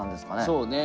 そうね。